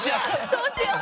どうしよう？